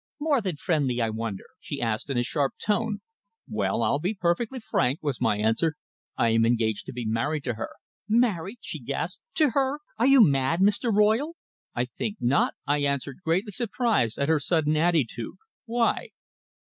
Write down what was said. "More than friendly, I wonder?" she asked in a sharp tone. "Well I'll be perfectly frank," was my answer. "I am engaged to be married to her." "Married," she gasped, "to her! Are you mad, Mr. Royle?" "I think not," I answered, greatly surprised at her sudden attitude. "Why?"